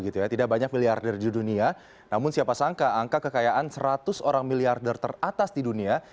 tidak banyak miliarder di dunia namun siapa sangka angka kekayaan seratus orang miliarder teratas di dunia